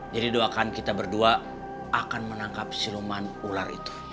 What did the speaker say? jadi doakan kita berdua akan menangkap siluman ular itu